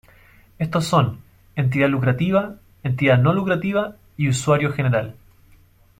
Estos son: entidad lucrativa; entidad no lucrativa y usuario general.